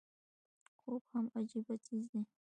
خوب هم عجيبه څيز دی